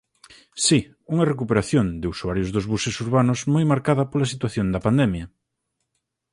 Si, unha recuperación de usuarios dos buses urbanos moi marcada pola situación da pandemia.